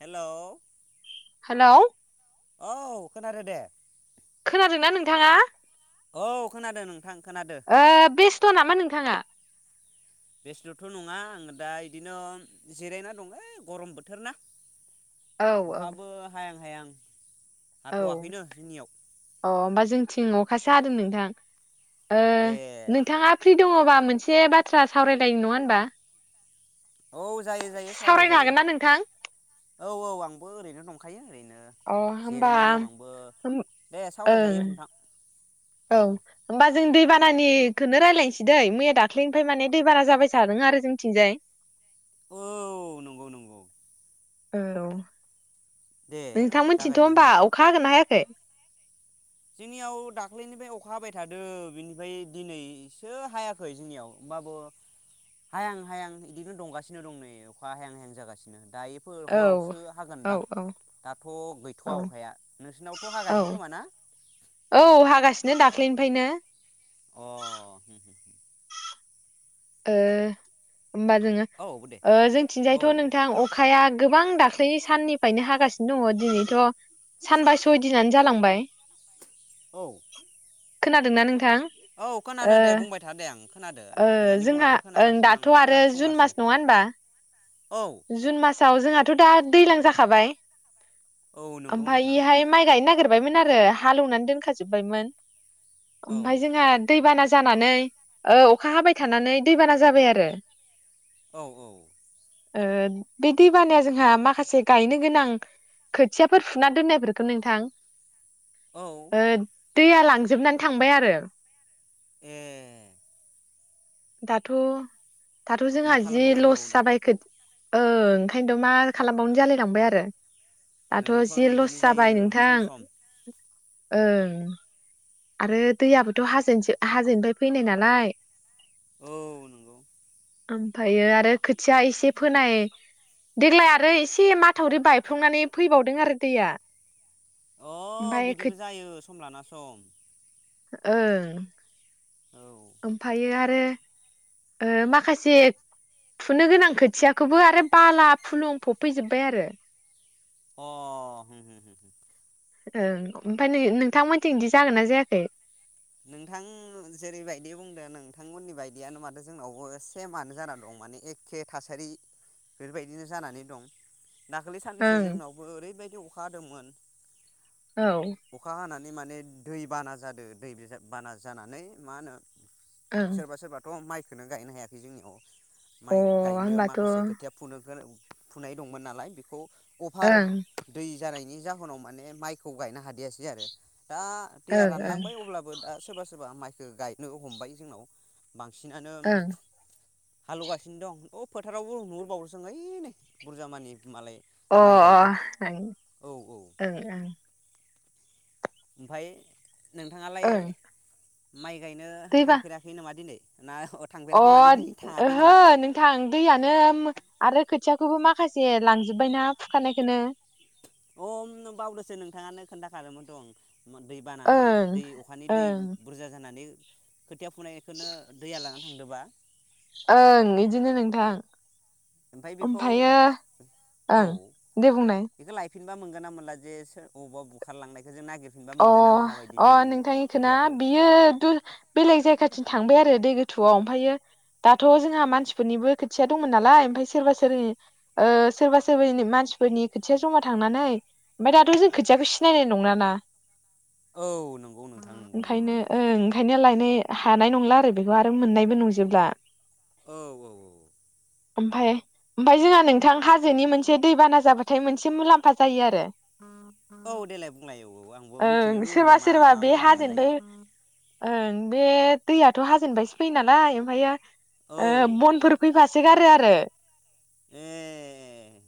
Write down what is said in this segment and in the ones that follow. Hello हेलाव औ खोनादों दे खोनादोंना नोंथाङा? औ खोनादो नोंथां खोनादो ओ बेस्थ नामा नोंथाङा? बेस्थ थ नंङा आंङो दा इदिनो जिरायना दं गरम बोथोर ना औ औ अखाबो हाया हायां औ हाथ'वाखैनो जोंनियाव अ होमबा जों थि अ खासो हादों नोंथां। ओ ए नोंथाङा फ्रि दंङबा मोनसे बाथ्रा सावरायलायनो‌ नंङा होनबा औ जायो जायो सावरायनो सावरायजायो हागोन ना नोंथां औ औ आंबो ओरैनो दंखायो ओरैनो अ होमबा जिरायना दं आंबो होम दे ओं सावरायजायो नोंथां औ होमबा जों दैबानानिखौनो रायल्लायनोसै दैै मैया दाख्लैनिफाय माने दैबाना जाबाय थादों आरो जोंथिंजाय औ नंगौ नंगौ। औ दे नोंथां मोनथिथ' जागायदो होमबा जोंना अखा होगोन ना हायाखै। जोंनियाव दाख्लैनिफ्राय अखा हाबाय थादो बिनिफ्राय दिनैसो हायाखै जोंनियाव होमबाबो हायां हायां बिदिनो दंगासिनो दं नै अखा हायां हायां जागासिनो होन दा बेफोर औ हरावसो औ हागोनदां औ दाथ' औ गैथ'वा अखाया नोंसोरनावथ हागासिनो औ खोमा ना औ हागासिनो दाख्लैनिफ्रायनो। अह उम। ओह। होमबा जोङो औ दे औ जोंथिंजायथ' नोंथां अखाया गोबां दाख्लैनि साननिफ्रायनो हागासिनो दङ दिनैथ सानबा सय दिनानो जालांबाय। औ। खोनादोंना नोंथां। औ ओ खोनादों दे बुंबाय था दे आं। खोनादो नोंहानि जोंहा बुंनायखौ ओं खोनागासिनो आं दाथ' आरो जुन खोनासंगासिनो मास नङा होनबा औ जुन मासाव जोंहाथ दा दैज्लां जाखाबाय। औ नंगौ नोंथां ओमफ्रायोहाय माइ गायनो नागिर जोबबायमोन आरो हालौवनानै दोनखा जोबबायमोन। औ ओमफाय जोंहा दैबाना जानानै औ अखा हाबाय थानानै दैबाना जाबाय आरो। औ औ। ओ बे दैबानाया जोंहा माखासे गायनो गोनां खोथियाफोर फुना दोननायफोरखौ नोंथां औ। ओ दैया लांजोबनानै थांबाय आरो। ए दाथ' दाथ' जोंहा मा जि खालामबावनो औ लस जाबाय खोथ ओं ओंखायनोथ' मा खालामबावनो जालायलांबाय आरो। दाथ' नोंगौथ' जि लस बिदिनो जाबाय जायो नोंथां। सम सम ओं। आरो दैयाबोथ' हाजोनिसो हाजोनिफ्राय फैनाय नालाय। औ नंगौ। ओमफायो आरो खोथिया एसे फोनाय देग्लाय आरो एसे माथावरि बायफ्लंनानै फैबावदों आरो दैया। अ ओमफाय बिदिबो जायो। सम लाना सम। ओ औ ओमफायो आरो ओ माखासे फुनो गोनां खोथियाखौबो आरो बाला फुलुं फब फै जोबबाय आरो। अह उम उम। ओं ओमफाय नोंथांमोनथि बिदि जागोन ना जायाखै। नोंथां जेरैबायदि बुंदों नों नोंथांमोननि बायदियानो माथो जोंनावबो सेमानो जाना दं माने एखे थासारि बेफोरबायदिनो जानानै दं। दाख्लै साननैसो ओं जोंनावबो ओरैबायदि अख अखाहादोंमोन। औ। माने दै बाना जादों। दै गोजा बाना जानानै मा होनो अ सोरबा सोरबाथ माइ खोनो गायनो हायाखै जोंनियाव माइ गायनो होमबाथ' माखासे ओं खोथिया फुनो गो फुनाय दंमोन नालाय बेखौ अफार दै जानायनि जाहोनाव माने माइखौ गायनो हादियासै आरो। दा दैया ओं रानलां ओं बै अब्लाबो दा सोरबा सोरबा माइ खो गायनो हमबाय जोंनाव। बांसिनानो ओं हालेवगासिनो दं अ फोथारावबो नहुरबावो सो ओं ओइ नै बुरजा मानि। मालाय अ माइ गायदो अ ओं औ औ ओं ओं। ओमफाय। नोंथाङालाय ओं माइ गायनो दैबा थांफेराखै नामा दिनै? ना अ थांफेराखै माने दिनै थाङाखै नामा? ओहो नोंथां दैयानो आरो थियाखौबो माखासे लांजोबबायना फुखानायखौनो अम बावदोसो नोंथाङानो खोन्थाखादोंमोनथ ओं। दै बानानै ओं दै अखानि दै ओं बुरजा जानानै। खोथिया फुनाय खोनो दैया लाना थांदोंबा। ओमफ्राय बेखौ ओमफायो ओं दे बुंनाय। फिनबा मोनोगोन ना मोनला जे सोर अबावबा बुखारलांनाय अ अ नोंथांनिखौना खोथियाखौ बियो बेलेग जायगाथिं थांबाय आरो दै गोथौआव ओमफायो दाथ जोंहा मानसिफोरनिबो खोथिया दंमोन नालाय ओमफ्राय सोरबा सोरबि ओ सोरबा सोरबि मानसिफोरनि खोथिया जमा थांनानै ओमफफ्राय दाथ जों खोथियाखौ सिनायनाय नंला ना। औ नंगौ नोंथां नंगौ औ ओंखायनो ओं ओंखायनो लाय ने हानाय नंला आरो बेखौ आरो मोननायबो नंजोबला। औ औ औ औ। ओमफाय ओमफाय जोंहा नोंथां हाजोनि मोनसे दैबाना जाबाथाय मोनसे मुलाम्फा जायो आरो औ देलाय बुंलाय औ औ आं ओं सोरबा सोरबा बे हाजोनिफ्राय ओं बे दैयाथ हाजोनिफायसो फैयो नालाय ओमफायो औ बनफोर फैफा सोगारो आरो ए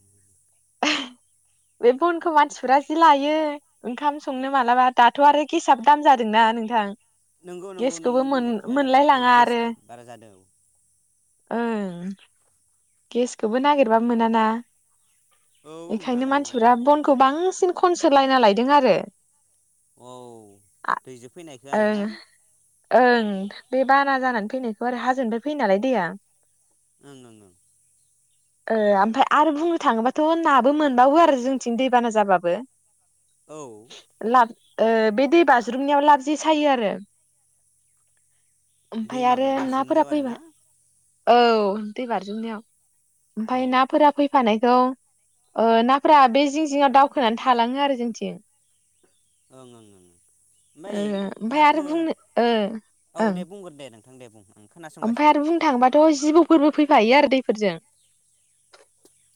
बे बनखौ मानसिफोरा जि लायो ओंखाम संनो मालाबा दाथ आरो गेसाबो दाम जादोंना नोंथां नोंगौ नोंगौ गेसखौबो नोंनि मोन बुंनाया थिगानो मोनलाय दाथ' लाङा गेस आरो बारा जादो औ ओं गेसखौबो नागिरबाबो मोनाना औ नोंथां बेखायनो औ मानसिफोरा बनखौ बां सिन खनसो‌ लायना लायदों आरो औ आ दैजों फैनायखौ ओं आरोना ओं बे बाना जानानै फैनायखौ आरो हाजोनिफ्राय फैयो नालाय दैया ओं ओं ओं ओ आमफाय आरो बुंनो थाङोबाथ' नाबो मोनबावो आरो जोंनिथिं दैबाना जाबाबो औ लाब बे दै बाज्रुमनायाव लाबजे सायो आरो दै ओमफाय माबे आरो नाफोरा बाज्रुमनायाव आरोना फैबाय औ दै बारजुमनायाव औ ओमफाय ओं नाफोरा फैफानाय खौ नाफोरा बे जिं जिङाव दावखोनानै थालाङो आरो जोंनिथिं ओं ओं ओं ओमफाय ओ ओमफ्राय आरो नाखौ बुंनो ओ औ दे बुंग्रो दे नों दे बुं ओं ओमफाय आरो बुंनो थांबा थ जिबौफोरबो फैफायो आरो दैफोरजों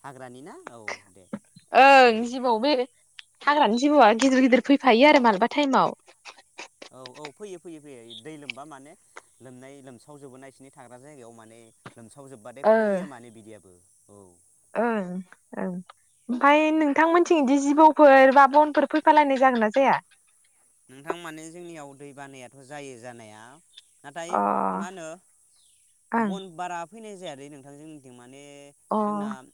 हाग्रानि ना औ दे ओं जिबौ बे हाग्रानि जिबौआ गिदिर गिदिर फैफायो आरो मालाबा थाइमाव औ औ फैयो फैयो फैयो दै लोमबा माने लोमनाय लोमसाव जोबो ना बिसोरनि थाग्रा जायगायाव माने लोमसावजोबबाथाय ओ फैयो मानो बिदियाबो औ ओं ओं ओमफाय नोंथांमोनथिं बिदि जिबौफोर बा बनफोर फैफालायनाय जागोन ना जाया नोंथां माने जोंनियाव दै बानायाथ जायो जानाया नाथाय अ मा होनो ओं बन बारा फैनाय जायादै नोंथां जोंनिथिं मा माने जोंना अ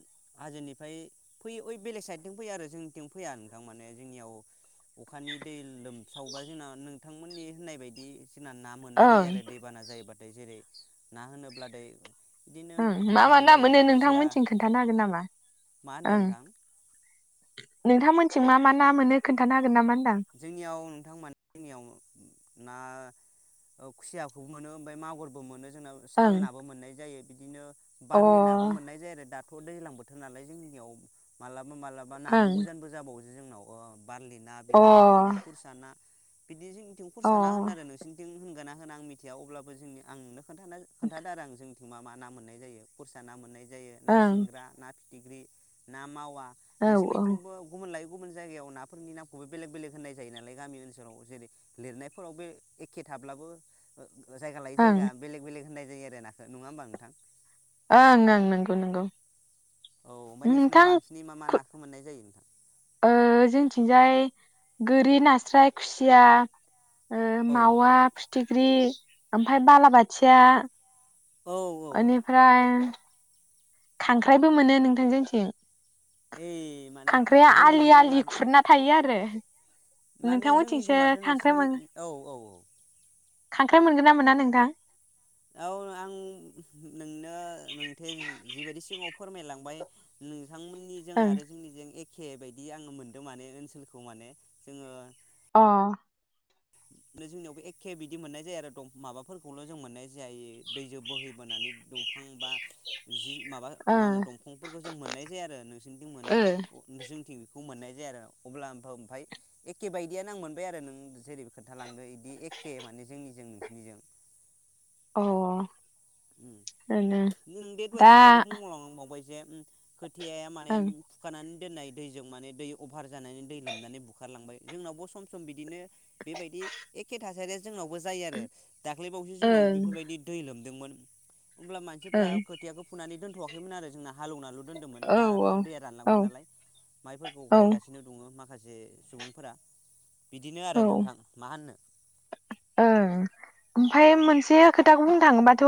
हाजोनिफ्राय फैयो ओइ बेलेग साइदथिं फैयो आरो जोंनिथिं फैया नोंथां माने जोंनियाव अखानि दै लोम सावबा जोंना नोंथांमोननि होननाय बायदि जोंना ना मोननाय जायो ओं आरो दैबाना जायोबा दै जेरै ना होनोब्ला दै ओं मा मा ना मोनो नोंथांमोनथिं खोन्थानो हागोन नामा मा होनदों ओं। नोंथां नोंथांमोनिथिं मा मा ना मोनो खोन्थानो हागोन नामा? होनदां जोंनियाव नोंथां मानि जोंनियाव ना औ खुसियाखौबो मोनो ओमफाय मागुरबो मोनो। जोंनाव साल नाबो मोननाय जायो। बिदिनो बार्लिनाबो ओं मोननाय जायो आरो दा दाथ' दैज्लां बोथोर नालाय जोंनियाव मालाब मालाबा अ ओं अ नानि उजानबो जाबावो। बारलि ना बिनि ओमफ्राय ओं बिदिनो खुरसा ना। बिदि जोंथिं औ खुरसा ना होनो आरो नोंसिनिथिं होनगोना? आं मिथिया अब्लाबो जोंनि आं नु खोनथानो खोनथादो आरो जों मा मा ना मोननाय जायो खुरसा ना मोननाय जा जायो ना सिंग्रा ना फि फिथिख्र ना मावा। औ ओं ओं नोंसोरनिथिंबो गुबुन लायो? गुबुन जायगायाव नाफोरनि नामखौबो बेलेग बेलेग होननाय जायो नालाय गामि ओनसोलाव जेरै लिरनायफोराव बे एखे थाब्लाबो जायगा लायो जायगा बेलेग बेलेग होननाय जायो आरो नाखो नङा होमबा नोंथां। ओं ओं नंगौ नंगौ। औ ओमफ्राय नोंसिनाव नोंथां बांसिनै मा मा नाखौ मोन्नाय जायो नोंथां? ओ जोंथिंजाय गोरि नास्राय खुसिया ओ औ मावा फिथि ख्रि आमफाय बालाबोथिया। औ औ औ एनिफ्राय खांख्राइबो मोनो नोंथां जोंथिं। ओइ माने खांख्राइआ आलि आलि खुरना थायो आरो। माने जोंनि नोंथांमोनथिंसो माथो खांख्राइ नोंसिनि, मोन औ औ औ। खांख्राइ मोनगोन ना मोना नोंथां? औ आं नोंनो नों [unintelligible] जि बायदि सिगाङाव फोरमाय लांबाय। ओ बिथां मोननिजों ओं आरो जोंनिजों ए एके बायदि आङो मोन्दों माने ओनसोलखौ माने जोङो अ। जोंनियावबो एखे बिदि मोननाय जाया आरो माबाफोरखौल' जों मोननाय जाया दैजों बोहैबोनानै दंफां बा जि माबा अ ओ मा होनो दंफांफोरखौ जों मोननाय जाया आरो नोंसिनिथिं मोनो ओ जोंनिथिं मोननाय जाया आरो अब्ला आ ओमफ्राय एखे बायदियानो आं मोनबाय आरो नों जेरै खोन्थालांदो इदि एखे माने जोंनिजों नोंसिनिजों। अ। ओनो नोंदि दा दहाय सिगाङावबो बुंबाव लांबावबाय ए उम। खोथियाया माने ओं फुखानानै दोननाय दैजों माने दै अभार जानानै दै लोमनानै बुखारलांबाय जोंनावबो सम सम बिदिनो बेबायदि एखे थासारिया जोंनावबो जायो आरो। दाख्लैबावैसो जोंनाव ओं बेफोरबायदि दै लोम दोंमोन। अब्ला मानसिफोरा ओं खोथियाखौ फुनानै दोन थवाखैमोन आरो जोंना। हालौनाल' दोनदोंमोन दा आरो दैया औ औ रानलांबाय नालाय माइफोरखौ औ गायगासिनो दङ माखासे जे सुबुंफोरा। बिदिनो आरो नोंथां मा होननो। ओं ओमफाय मोनसे खोथाखौ बुंनो थाङोबाथ'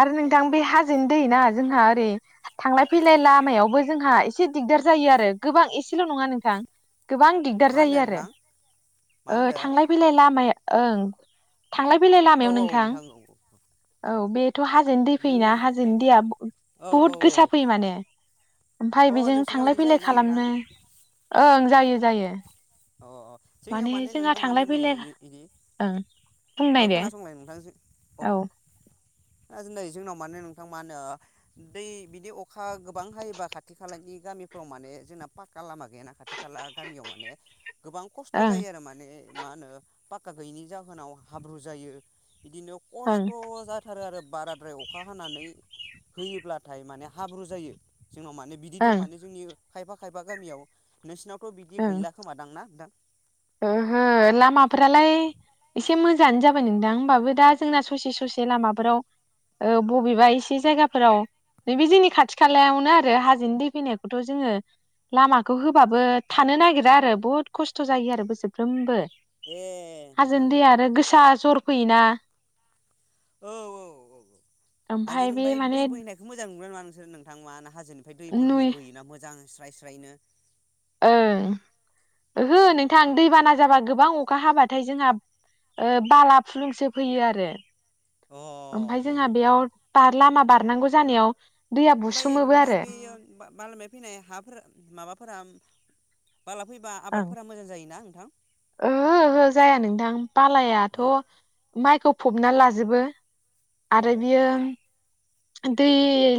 आरो नोंथां बे हाजोनि दैना जोंहा ओरै थांलाय फैलाय लामायावबो जोंहा एसे दिगदार जायो आरो गोबां एसेल नङा नोंथां गोबां दिगदार मा जायो होनदों आरो। नोंथां मा ओ होनदो थांलाय फैलाय लामाया ओं। थांलाय फैलाय औ लामायाव औ नोंथां औ औ बे थ' हाजोनि दै नों फैयोना हाजोनि दैया औ औ बुहुद गोसा फैयो माने। औ ओमफ्राय अ बेजों नोंसोरनाव थांलाय बिदि फैलाय जायोना नोंथां खालामनो ओं जायो जायो। अ अ जोंनियाव माने जोंहा नोंथां थांलाय माने नै फैलाय ओं बुंनाय ओ दे खोनासंलाय नोंथां जों औ। नै जोंनाव माने नोंथां मा होनो दै बिदि अखा गोबां हायोबा खाथि खालानि गामिफ्राव माने जोंना पाका लामा गैयाना खाथि खाला गामियाव गोबां खस्थ' ओं जायो आरो माने मा होनो पाका गैयैनि जाहोनाव हाब्रु जायो। बिदिनो ओं खस्थ' जाथारो आरो बाराद्राय अखा हानानै होयोब्लाथाय माने हाब्रु जायो। जोंनाव माने बिदि दं ओं माने जोंनि खायफा खायफा गामियाव नोंसिनाव थ' बिदि ओं गैला। थांना दां ओहो लामाफ्रालाय एसे मोजाङानो जाबाय नोंथां। होमबाबो दा जोंना ससे ससे लामाफोराव ओ बबेबा एसे जायगाफोराव नैबे जोंनि खाथि खालायावनो आरो हाजोनि दै फैनायखौथ' जोङो लामाखौ होबाबो थानो नागिरा आरो बुहुद खस्थ' जायो आरो। बोसोरफ्रोमबो ए नोंथां हाजोनि नोंथां दैआ आरो गोसा जर फैयोना औ औ औ ओमफाय बे हाजोनिओमफाय दै माने बोहैनायखौ मोजां नुगोना नुआ नों [unintelligible] हाजोनिफ्राय दै बोहै नुय बोयोना मोजां स्राय स्रायनो ओं ओहो नोंथां दैबाना जाबा गोबां अखा हाबाथाय जोंहा ओ बाला फुलुंसो फैयो आरो। अ ओमफाय हो जोंहा हो हो बेयाव बार लामा बारनांगौ जानायाव दैया ओमफ्राय बुसोमोबो नोंथां आरो। बेयो [unintelligible] फैनाय हाफोर माबाफोरा बाला फैबा ओं आबादफोरा मोजां जायोना? थां। ओहो ओहो जाया नोंथां बालायाथ' अ माइखौ फबना लाजोबो। औ आरो बियो दै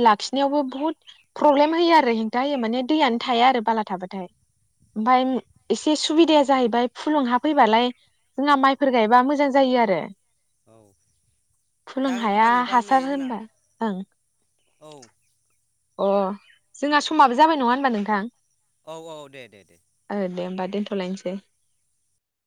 लाखिनायावबो बुहुद प्रब्लेम होयो आरो हेंथा होयो माने दैयानो थाया आरो बाला थाबाथाय ओमफाय एसे सुबिदाया जाहैबाय फुलुंहा फैबालाय जोंहा माइफोर गायबा मोजां जायो आरो औ फुलुं जागोन हाया खोमा नोंथां नै हासार जोंना होनबा औ। अ जोंहा समाबो जाबाय नङा होनबा नोंथां। औ औ दे दे दे। ओ दे होमबा दोनथ'लायनोसै।